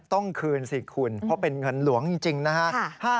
ต้องคืนสิคุณเพราะเป็นเงินหลวงจริงนะฮะ